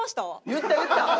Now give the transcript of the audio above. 言った言った。